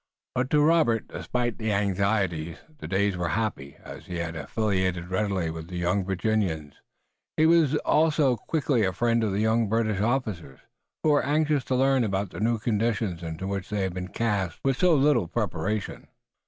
But to Robert, despite the anxieties, the days were happy. As he had affiliated readily with the young Virginians he was also quickly a friend of the young British officers, who were anxious to learn about the new conditions into which they had been cast with so little preparation.